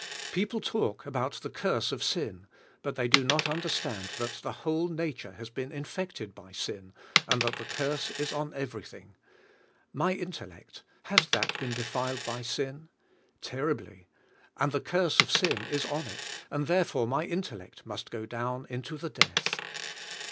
People talk about the curse of sin, but they do not understand that the whole nature has been infected by sin, and that the curse is on everything. My intellect, has that been defiled by sin? Terribly, and the curse of sin is on it^ and therefore my intellect must go down into the death.